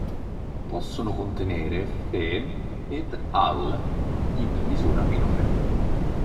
Possono contenere Fe ed Al in misura minore.